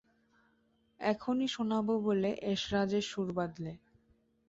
এখনই শোনাব বলে এসরাজের সুর বাঁধলে।